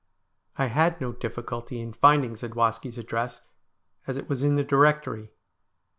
I had no difficulty in finding Zadwaski's address, as it was in the directory.